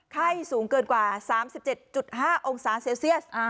ไข้สูงเกินกว่า๓๗๕องศาเซลเซียส